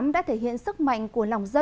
dù phải chết cũng không lạ